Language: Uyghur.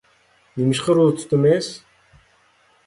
نېمىشقا روزا تۇتىمىز؟